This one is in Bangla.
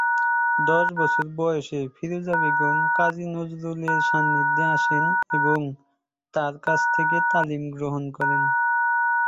দশ বছর বয়সে ফিরোজা বেগম কাজী নজরুলের সান্নিধ্যে আসেন এবং তার কাছ থেকে তালিম গ্রহণ করেন।